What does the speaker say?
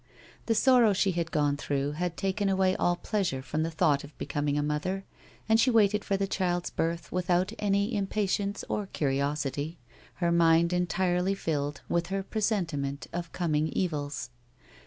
The sorrow she had gone through had taken away all pleasure from the thought of becoming a mother, and she waited for the child's birth witliout any impatience or curiosity, her mind entirely filled with a pre sentiment of coming evils.